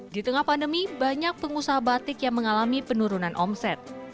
di tengah pandemi banyak pengusaha batik yang mengalami penurunan omset